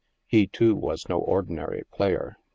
He, too, was no ordinary player.